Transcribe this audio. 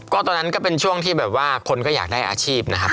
ก็ตอนนั้นก็เป็นช่วงที่แบบว่าคนก็อยากได้อาชีพนะครับ